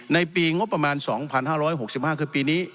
ในปีงบประมาณ๒๕๖๕คือปีนี้